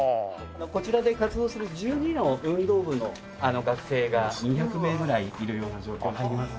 こちらで活動する１２の運動部の学生が２００名ぐらいいるような状況になります。